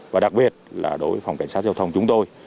và đặc biệt là đối với phòng cảnh sát giao thông chúng tôi